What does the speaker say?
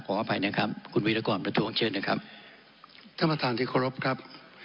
ขออภัยนะครับคุณวีรกรประท้วงเชิญนะครับท่านประธานที่เคารพครับ